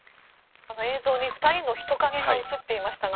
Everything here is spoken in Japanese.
映像に２人の人影が映っていましたが